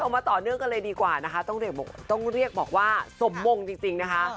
มาต่อเนื่องกันเลยดีกว่านะคะต้องเรียกบอกว่าสมมงจริงนะคะ